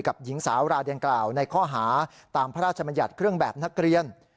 หญิงสาวรายดังกล่าวในข้อหาตามพระราชมัญญัติเครื่องแบบนักเรียน